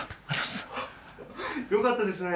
よかったですね！